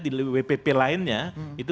di wpp lainnya itu